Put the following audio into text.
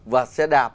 và xe đạp